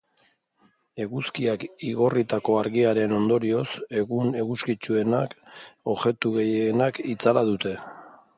Eguzkiak igorritako argiaren ondorioz, egun eguzkitsuetan objektu gehienek itzala dute.